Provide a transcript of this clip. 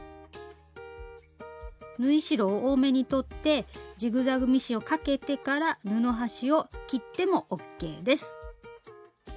縫い代を多めに取ってジグザグミシンをかけてから布端を切ってもＯＫです。